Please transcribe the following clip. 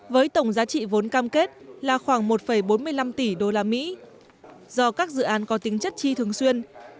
với tổng giá trị vốn cam kết là khoảng một bốn mươi năm tỷ usd do các dự án có tính chất chi thường xuyên